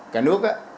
cả nước á